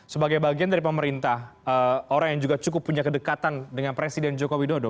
sebagai bagian dari pemerintah orang yang juga cukup punya kedekatan dengan presiden joko widodo